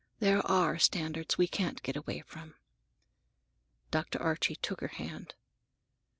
There are standards we can't get away from." Dr. Archie took her hand.